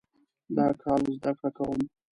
دا کال زده کړه کوم